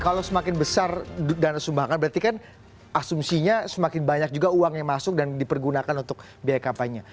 kalau semakin besar dana sumbangan berarti kan asumsinya semakin banyak juga uang yang masuk dan dipergunakan untuk biaya kampanye